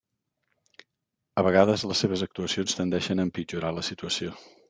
A vegades les seves actuacions tendeixen a empitjorar la situació.